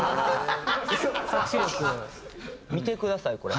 見てくださいこれ。